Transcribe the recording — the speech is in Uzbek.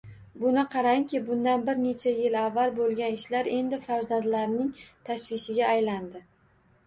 Buni qarangki, bundan bir necha yil avval boʻlgan ishlar endi farzandlarning tashvishiga aylandi